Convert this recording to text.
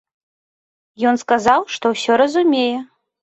Ён сказаў, што ўсё разумее.